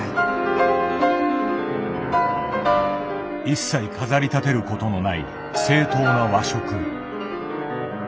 一切飾りたてることのない正統な和食。